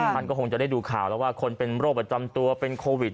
ท่านก็คงจะได้ดูข่าวแล้วว่าคนเป็นโรคประจำตัวเป็นโควิด